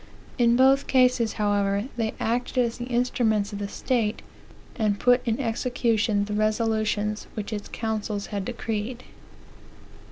In both cases, however, they acted as the instruments of the state, and put in execution the resolutions which its councils had decreed.